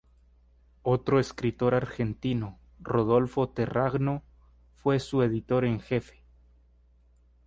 Otro escritor argentino, Rodolfo Terragno, fue su editor en jefe.